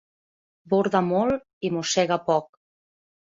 Borda molt i mossega poc.